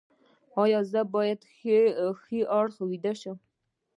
ایا زه باید په ښي اړخ ویده شم؟